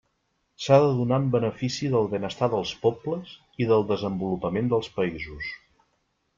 S'ha de donar en benefici del benestar dels pobles i del desenvolupament dels països.